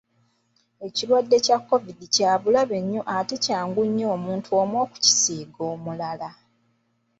Ekirwadde kya Kovidi kya bulabe nnyo ate kyangu nnyo omuntu omu okukisiiga omulala.